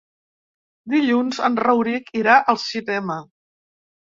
Dilluns en Rauric irà al cinema.